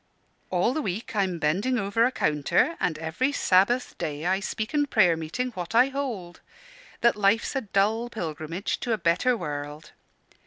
All the week I'm bending over a counter, and every Sabbath day I speak in prayer meeting what I hold, that life's a dull pilgrimage to a better world.